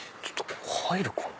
入るかな？